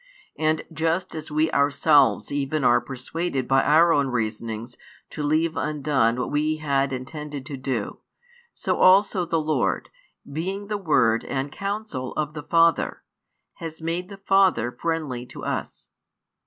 And just as we ourselves even are persuaded by our own reasonings to leave undone what we had intended to do, so also the Lord, being the Word and Counsel of the Father, has made the Father friendly to us.